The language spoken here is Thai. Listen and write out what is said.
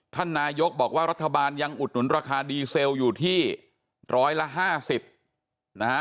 ท่านนายกบอกว่ารัฐบาลยังอุดหนุนราคาดีเซลอยู่ที่ร้อยละ๕๐นะฮะ